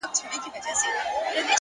هوډ د شکونو دیوال نړوي